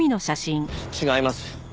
違います。